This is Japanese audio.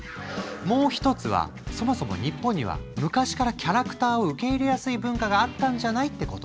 もうひとつはそもそも日本には昔からキャラクターを受け入れやすい文化があったんじゃない？ってこと。